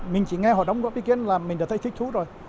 mình chỉ nghe họ đóng góp ý kiến là mình đã thấy thích thú rồi